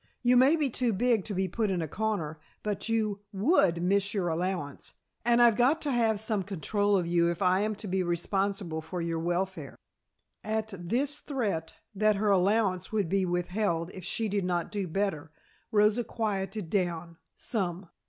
"You may be too big to be put in a corner, but you would miss your allowance, and I've got to have some control of you if I am to be responsible for your welfare." At this threat, that her allowance would be withheld if she did not do better, Rosa quieted down some.